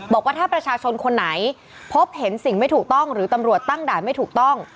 บอกว่าถ้าประชาชนคนไหนพบเห็นสิ่งไม่ถูกต้องหรือตำรวจตั้งด่านไม่ถูกต้อง